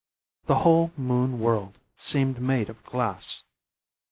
The whole moon world seemed made of glass.